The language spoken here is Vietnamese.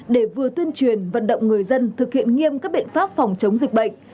để vừa tuyên truyền vận động người dân thực hiện nghiêm các biện pháp phòng chống dịch bệnh